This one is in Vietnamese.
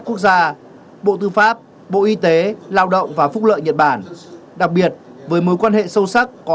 quốc gia bộ tư pháp bộ y tế lao động và phúc lợi nhật bản đặc biệt với mối quan hệ sâu sắc có